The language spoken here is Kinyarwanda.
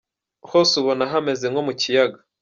Hose ubona hameze nko mu Kiyaga.